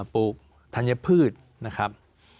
ปลูกธัญพืชนะครับ